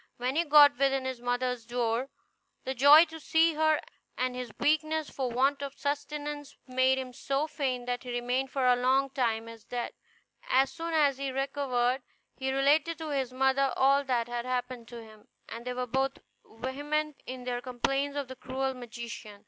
When he got within his mother's door, the joy to see her and his weakness for want of sustenance made him so faint that he remained for a long time as dead. As soon as he recovered he related to his mother all that had happened to him, and they were both very vehement in their complaints of the cruel magician.